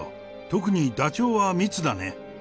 特にダチョウは密だね。